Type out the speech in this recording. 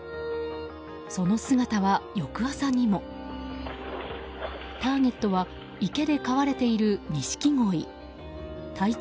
その姿は、翌朝にも。ターゲットは池で飼われているニシキゴイ。